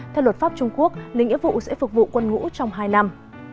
theo luật pháp trung quốc lính nghĩa vụ sẽ phục vụ quân ngũ trong hai năm